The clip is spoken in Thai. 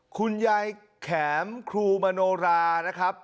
คุณยายแข็มครูมโนรานะครับ